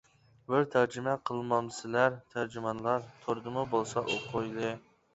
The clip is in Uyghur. بىر تەرجىمە قىلمامسىلەر تەرجىمانلار، توردىمۇ بولسا ئوقۇيلى.